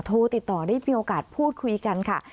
โทรติดต่อได้มีโอกาสพูดคุยกันค่ะ